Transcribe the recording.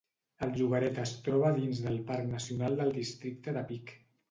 El llogarret es troba dins del Parc nacional del districte de Peak.